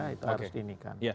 itu harus dinikan